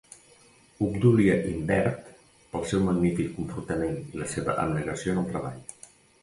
Obdúlia Imbert, pel seu magnífic comportament i la seva abnegació en el treball.